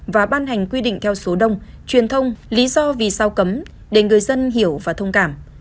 và ban hành quy định theo số đông truyền thông lý do vì sao cấm để người dân hiểu và thông cảm